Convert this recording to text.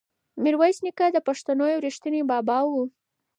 میرویس نیکه د پښتنو یو ریښتونی بابا و.